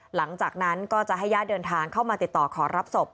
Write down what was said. หลังจากนั้นก็จะให้ญาติเดินทางเข้ามาติดต่อขอรับศพ